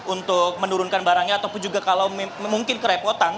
untuk menurunkan barangnya ataupun juga kalau mungkin kerepotan